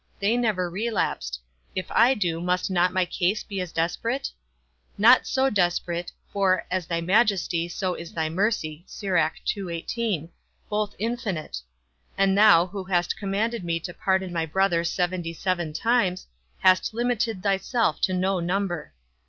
They never relapsed; if I do, must not my case be as desperate? Not so desperate; for as thy majesty, so is thy mercy, both infinite; and thou, who hast commanded me to pardon my brother seventy seven times, hast limited thyself to no number.